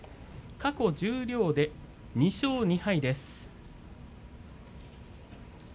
過去、十両で２勝２敗。